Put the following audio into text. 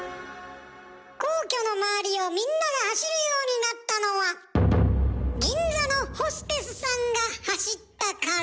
皇居の周りをみんなが走るようになったのは銀座のホステスさんが走ったから。